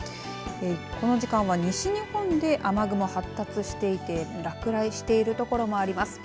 この時間は西日本で雨雲が発達していて落雷している所もあります。